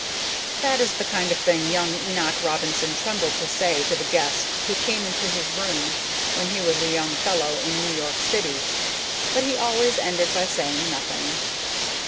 That is the kind of thing young Enoch Robinson trembled to say to the guests who came into his room when he was a young fellow in New York City, but he always ended by saying nothing.